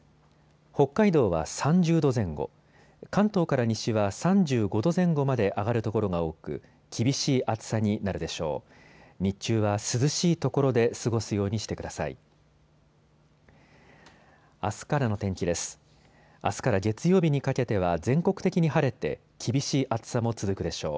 北海道は３０度前後、関東から西は３５度前後まで上がる所が多く厳しい暑さになるでしょう。